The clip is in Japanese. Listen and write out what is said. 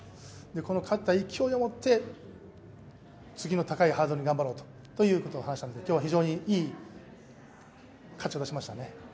この勝った勢いをもって次の高いハードルを頑張ろうと話していたので今日は非常にいい勝ちを出しましたね。